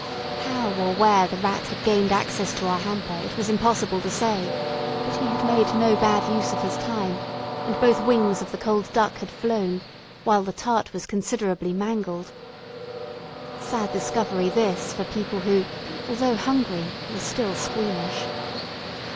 How or where the rat had gained access to our hamper it was impossible to say, but he had made no bad use of his time, and both wings of the cold duck had flown, while the tart was considerably mangled. Sad discovery this for people who, although, hungry, were still squeamish.